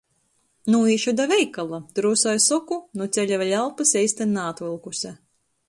"Nūīšu da veikala!" drūsai soku, nu ceļa vēļ elpys eistyn naatvylkuse.